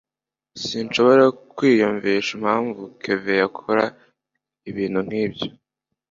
sinshobora kwiyumvisha impamvu kevin yakora ibintu nkibyo